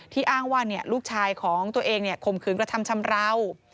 อ้างว่าลูกชายของตัวเองข่มขืนกระทำชำราว